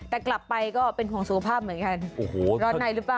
แต่กลับไปก็เป็นห่วงสุขภาพเหมือนกันโอ้โหรอดในหรือเปล่า